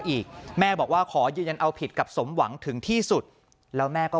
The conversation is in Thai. อีกแม่บอกว่าขอยืนยันเอาผิดกับสมหวังถึงที่สุดแล้วแม่ก็